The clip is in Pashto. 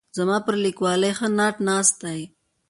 زما پر لیکوالۍ ښه ناټ ناست دی.